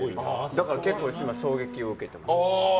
だから結構今、衝撃を受けてます。